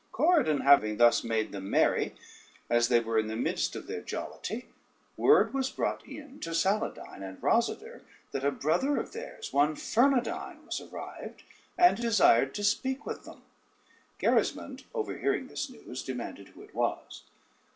] Corydon having thus made them merry, as they were in the midst of their jollity, word was brought in to Saladyne and Rosader that a brother of theirs, one Fernandyne, was arrived, and desired to speak with them. Gerismond overhearing this news, demanded who it was.